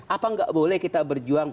apa nggak boleh kita berjuang